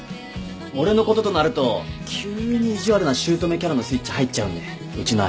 俺のこととなると急に意地悪な姑キャラのスイッチ入っちゃうんでうちの兄。